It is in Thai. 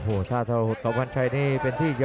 ขวางแขงขวาเจอเททิ้ง